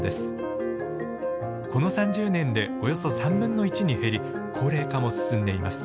この３０年でおよそ３分の１に減り高齢化も進んでいます。